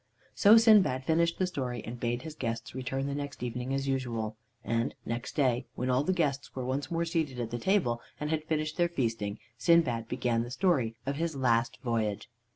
So Sindbad finished the story, and bade his guests return the next evening as usual. And next day, when all the guests were once more seated at the table and had finished their feasting, Sindbad began the story of his last voyage.